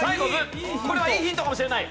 これはいいヒントかもしれない！